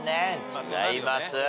違います。